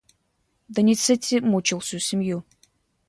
Доницетти мучил всю семью.